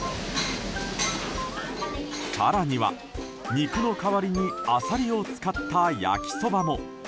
更には肉の代わりにアサリを使った焼きそばも。